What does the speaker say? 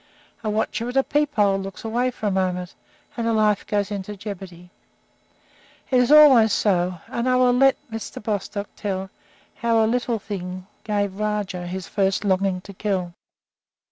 A watcher at a peep hole looks away for a moment, and a life goes into jeopardy. It is always so; and I will let Mr. Bostock tell how a little thing gave Rajah his first longing to kill.